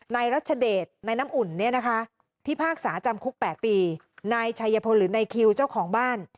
นายรัชเดชนายน้ำอุ่นเนี่ยนะคะพิพากษาจำคุก๘ปีนายชัยพลหรือนายคิวเจ้าของบ้าน